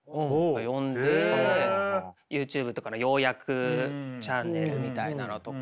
ＹｏｕＴｕｂｅとかの要約チャンネルみたいなのとか。